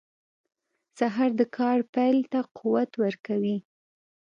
سهار د کار پیل ته قوت ورکوي.